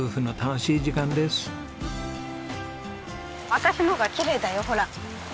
私の方がきれいだよほら。